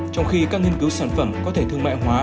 trong khi các nghiên cứu sản phẩm có thể thương mại hóa